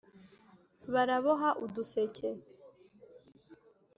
baraboha uduseke